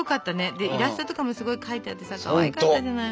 でイラストとかもすごい描いてあってさかわいかったじゃない。